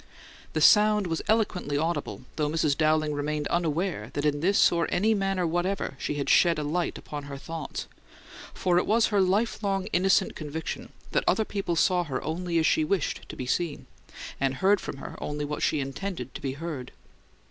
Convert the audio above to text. The sound was eloquently audible, though Mrs. Dowling remained unaware that in this or any manner whatever she had shed a light upon her thoughts; for it was her lifelong innocent conviction that other people saw her only as she wished to be seen, and heard from her only what she intended to be heard.